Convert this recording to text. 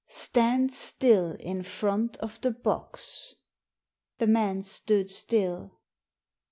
" Stand still in front of the box." The man stood still.